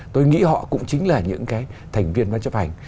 tôi nghĩ họ cũng chính là những cái thành viên văn chấp hành